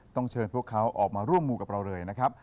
เชิญพวกเขาออกมาร่วมมูกับเราเลยนะครับ